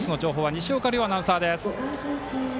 西岡遼アナウンサーです。